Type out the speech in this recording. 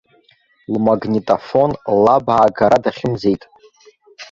Лмагнитофон лаб аагара дахьымӡеит.